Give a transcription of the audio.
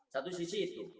satu sisi itu